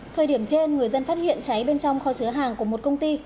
thời điểm trên người dân phát hiện cháy bên trong kho chứa hàng của một công ty